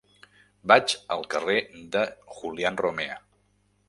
Vaig al carrer de Julián Romea.